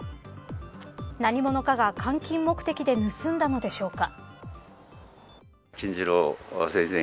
何者かが換金目的で盗んだのでしょうか。